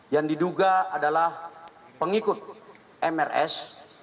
yang diduga adalah pengikut mrs